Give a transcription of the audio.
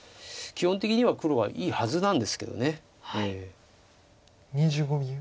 基本的には黒がいいはずなんですけど。